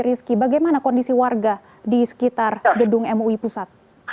rizky bagaimana kondisi warga di sekitar gedung mui pusat